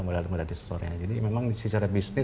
modalnya jadi memang secara bisnis